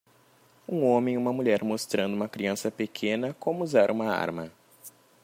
Um homem e uma mulher mostrando uma criança pequena como usar uma arma.